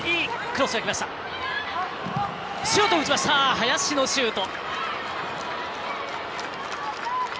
林のシュート。